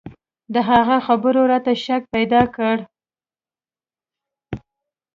د هغه خبرو راته شک پيدا کړ.